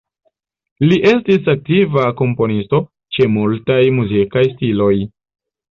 Li estis aktiva komponisto, ĉe multaj muzikaj stiloj.